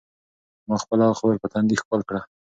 ما خپله خور په تندي ښکل کړه.